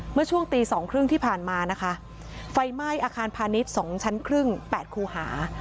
เมื่อช่วงตีสองครึ่งที่ผ่านมานะคะไฟไหม้อาคารพาณิชย์๒ชั้นครึ่งแปดคูหา